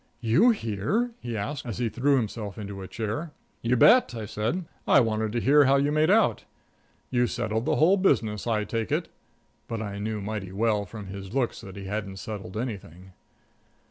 "You here?" he asked as he threw himself into a chair. "You bet," I said. "I wanted to hear how you made out. You settled the whole business, I take it?" but I knew mighty well from his looks that he hadn't settled anything.